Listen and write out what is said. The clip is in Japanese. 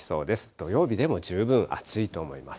土曜日でも十分暑いと思います。